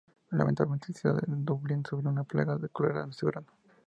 Lamentablemente, la ciudad de Dublín sufrió una plaga de la cólera ese verano.